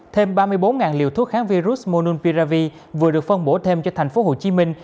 thêm ba mươi bốn liều thuốc kháng virus monun piravi vừa được phân bổ thêm cho thành phố hồ chí minh